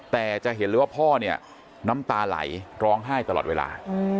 แต่จะเห็นเลยว่าพ่อเนี่ยน้ำตาไหลร้องไห้ตลอดเวลา